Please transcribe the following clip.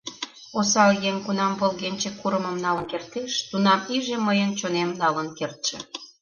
Осал еҥ кунам Волгенче курымым налын кертеш, тунам иже мыйын чонем налын кертше.